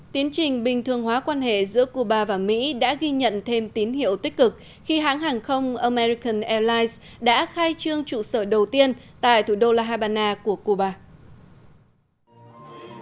tiến trình bình thường hóa quan hệ giữa cuba và mỹ đã ghi nhận thêm tín hiệu tích cực khi hãng hàng không american airlines đã khai trương trụ sở đầu tiên tại thủ đô la habana của cuba